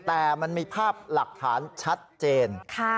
แต่มันมีภาพหลักฐานชัดเจน